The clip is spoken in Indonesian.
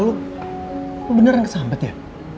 lo beneran kesambet ya